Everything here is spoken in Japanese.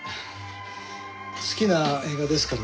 好きな映画ですからね。